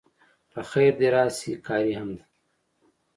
په خیر د راشی قاری هم ده